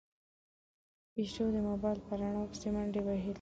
پيشو د موبايل په رڼا پسې منډې وهلې.